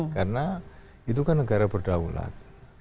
karena itu kan negara berdaulat